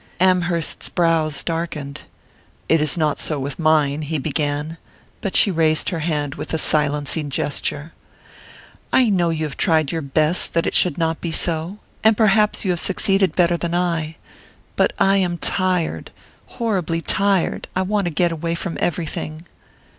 Amherst's brows darkened. "It is not so with mine," he began; but she raised her hand with a silencing gesture. "I know you have tried your best that it should not be so; and perhaps you have succeeded better than I. But I am tired, horribly tired I want to get away from everything!"